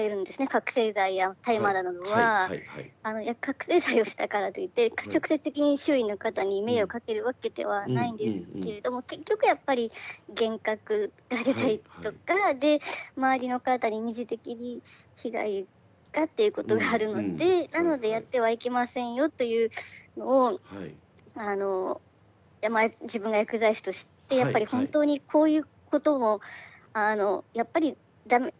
覚醒剤や大麻などは覚醒剤をしたからといって直接的に周囲の方に迷惑をかけるわけではないんですけれども結局やっぱり幻覚が出たりとかで周りの方に２次的に被害がっていうことがあるのでなのでやってはいけませんよというのを自分が薬剤師としてやっぱり本当にこういうことをやっぱり駄目。